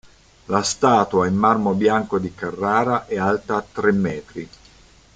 La statua, in marmo bianco di Carrara, è alta tre metri.